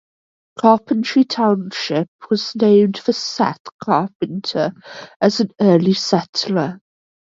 Carpenter Township was named for Seth Carpenter, an early settler.